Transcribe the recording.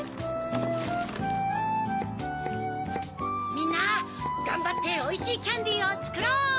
みんながんばっておいしいキャンディーをつくろう！